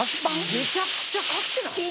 めちゃくちゃ買ってない？